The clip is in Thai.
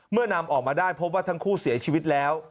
นำออกมาได้พบว่าทั้งคู่เสียชีวิตแล้ว